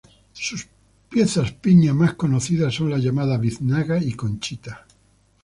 Sus piezas piña más conocidas son las llamadas biznaga y conchita.